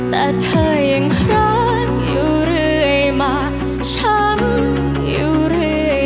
แต่เธอยังรักอยู่เธอ